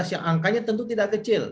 yang angkanya tentu tidak kecil